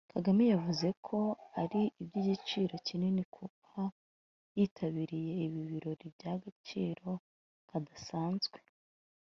Kagame yavuze ko ari iby’igiciro kinini kuba yitabiriye ibi birori by’agaciro kadasanzwe